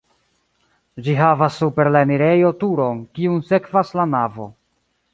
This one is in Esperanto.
Ĝi havas super la enirejo turon, kiun sekvas la navo.